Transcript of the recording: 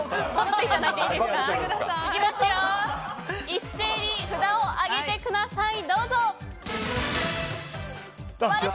一斉に札を上げてください。